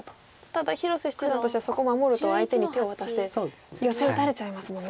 ただ広瀬七段としてはそこを守ると相手に手を渡してヨセを打たれちゃいますもんね。